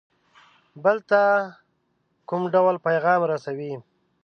بل ته کوم ډول پیغام رسوي.